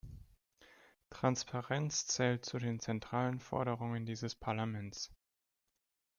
Transparenz zählt zu den zentralen Forderungen dieses Parlaments.